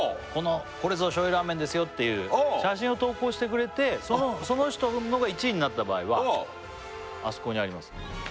これぞ醤油ラーメンですよっていう写真を投稿してくれてその人のが１位になった場合はあそこにあります